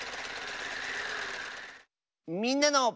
「みんなの」。